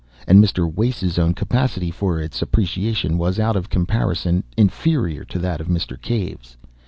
And Mr. Wace's own capacity for its appreciation was out of comparison inferior to that of Mr. Cave's.